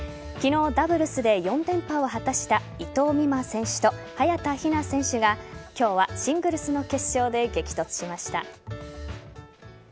昨日ダブルスで４連覇を果たした伊藤美誠選手と早田ひな選手が今日はシングルスの決勝で激突しました。